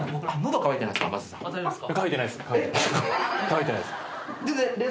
渇いてないです。